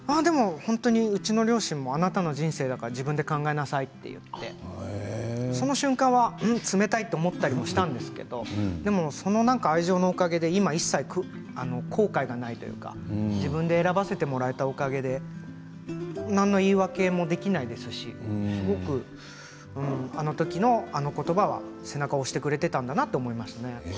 うちの両親はあなたの人生だから自分で考えなさいと言ってその瞬間は冷たいと思ったりしたんですけどその愛情のおかげで今一切、後悔がないというか自分で選ばせてもらったおかげで何の言い訳もできないですしあの時の、あの言葉は背中を押してくれていたんだなと思いますね。